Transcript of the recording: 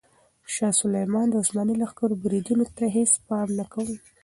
شاه سلیمان د عثماني لښکرو بریدونو ته هیڅ پام نه کاوه.